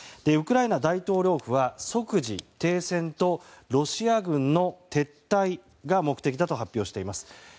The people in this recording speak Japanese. ウクライナ大統領府は即時停戦とロシア軍の撤退が目的だと発表しています。